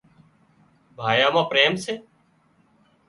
ٻائيان مان پريم سي